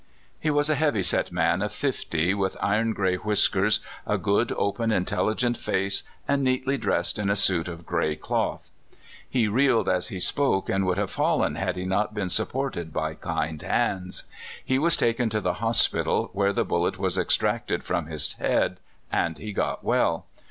" He was a heavy set man of fifty, with iron gray whiskers, a good, open, intelligent face, and neatly dressed in a suit of gray cloth. He reeled as he spoke, and would have fallen had he not been supported by kind hands. He was taken to the hospital, where the bullet was extracted from his head, and he got well.